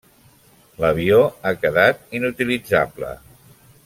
L'avió ha quedat inutilitzable.